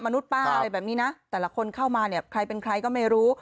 มนุษย์ป้าแบบนี้นะแต่ละคนเข้ามาใครเป็นใครก็ไม่รู้